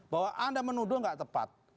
bahwa anda menuduh tidak tepat